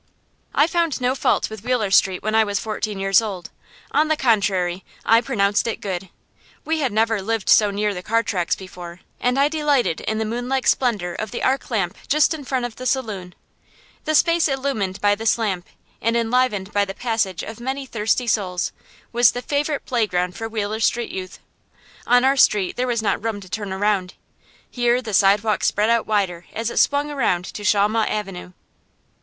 I found no fault with Wheeler Street when I was fourteen years old. On the contrary, I pronounced it good. We had never lived so near the car tracks before, and I delighted in the moonlike splendor of the arc lamp just in front of the saloon. The space illumined by this lamp and enlivened by the passage of many thirsty souls was the favorite playground for Wheeler Street youth. On our street there was not room to turn around; here the sidewalk spread out wider as it swung around to Shawmut Avenue.